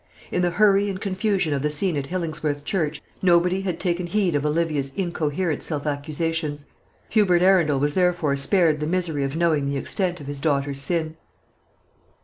In the hurry and confusion of the scene at Hillingsworth Church, nobody had taken heed of Olivia's incoherent self accusations: Hubert Arundel was therefore spared the misery of knowing the extent of his daughter's sin.